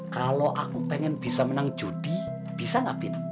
kalau aku pengen bisa menang judi bisa gak pin